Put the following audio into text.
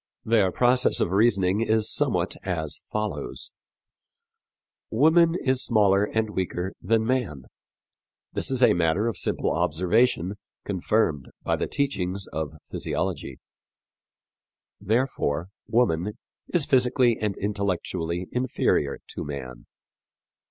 Their process of reasoning is somewhat as follows: "Woman is smaller and weaker than man. This is a matter of simple observation, confirmed by the teachings of physiology. Therefore, woman is physically and intellectually inferior to man.